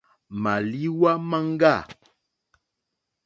Màlìwá máŋɡâ.